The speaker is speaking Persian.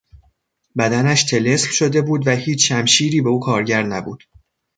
بدنش طلسم شده بود و هیچ شمشیری به او کارگر نبود.